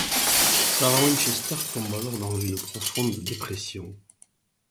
Sarah Winchester tombe alors dans une profonde dépression.